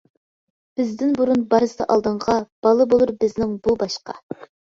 بىزدىن بۇرۇن بارسا ئالدىڭغا، بالا بولۇر بىزنىڭ بۇ باشقا.